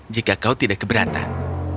jika kau tidak keberatan